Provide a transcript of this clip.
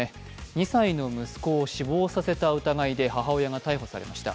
２歳の息子を死亡させた疑いで母親が逮捕されました。